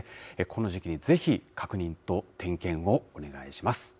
この時期にぜひ、確認と点検をお願いします。